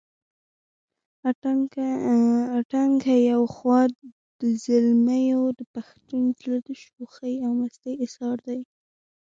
اتڼ که يو خوا د زلميو دپښتون زړه دشوخۍ او مستۍ اظهار دے